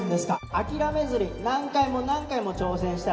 あきらめずに何回も何回も挑戦したらね